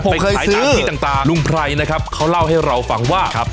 เพราะผมเคยซื้อลุงไพรนะครับเขาเล่าให้เราฟังว่า